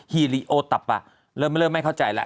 ฮีลีโอตัปปะเริ่มไม่เข้าใจละ